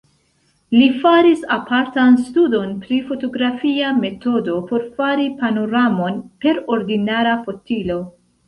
Li faris apartan studon pri fotografia metodo por fari panoramon per ordinara fotilo.